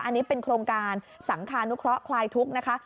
อันนี้เป็นโครงการสังคานุเคราะหลายทุกข์นะคะ